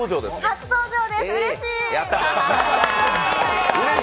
初登場です、うれしい。